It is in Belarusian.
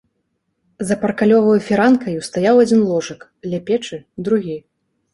За паркалёваю фіранкаю стаяў адзін ложак, ля печы — другі.